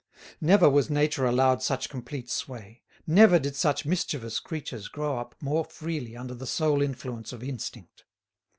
Never was nature allowed such complete sway, never did such mischievous creatures grow up more freely under the sole influence of instinct.